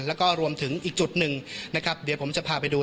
และรวมถึงอีกจุดหนึ่งเดี๋ยวผมจะพาไปดู